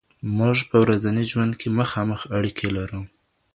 موږ په ورځني ژوند کې مخامخ اړیکې لرو.